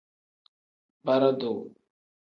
Bara-duu.